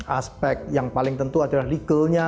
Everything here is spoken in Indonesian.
aspek yang paling tentu adalah legalnya